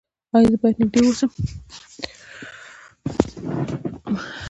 ایا زه باید نږدې اوسم؟